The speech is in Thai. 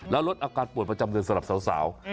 แล้วลดอาการป่วยประจำเดือนสำหรับสาว